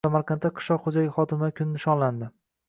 Samarqandda qishloq xo‘jaligi xodimlari kuni nishonlandi